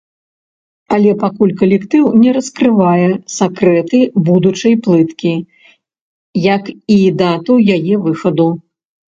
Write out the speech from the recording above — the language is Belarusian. Але пакуль калектыў не раскрывае сакрэты будучай плыткі, як і дату яе выхаду.